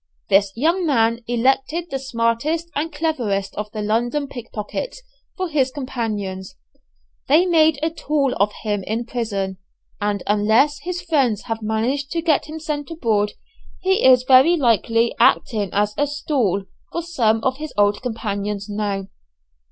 This young man elected the smartest and cleverest of the London pickpockets for his companions. They made a tool of him in prison, and unless his friends have managed to get him sent abroad, he is very likely acting as a "stall" for some of his old companions now.